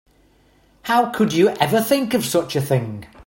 How could you ever think of such a thing?